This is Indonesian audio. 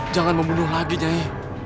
jangan membunuh lagi nyai